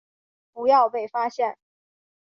不要被发现